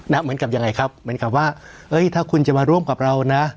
เหมือนกับยังไงครับเหมือนกับว่าเอ้ยถ้าคุณจะมาร่วมกับเรานะ